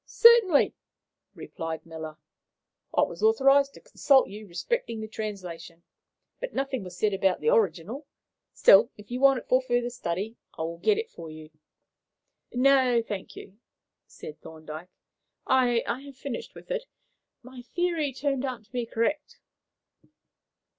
"Certainly," replied Miller. "I was authorized to consult you respecting the translation, but nothing was said about the original. Still, if you want it for further study, I will get it for you." "No, thank you," said Thorndyke. "I have finished with it. My theory turned out to be correct."